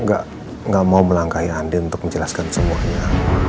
enggak mau melangkahi andin untuk menjelaskan semuanya